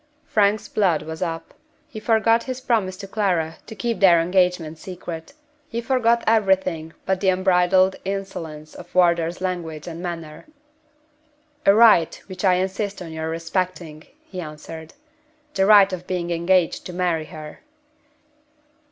Frank's blood was up. He forgot his promise to Clara to keep their engagement secret he forgot everything but the unbridled insolence of Wardour's language and manner. "A right which I insist on your respecting," he answered. "The right of being engaged to marry her."